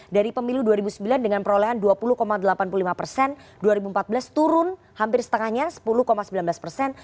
dari pemilu dua ribu sembilan dengan perolehan dua puluh delapan puluh lima persen dua ribu empat belas turun hampir setengahnya sepuluh sembilan belas persen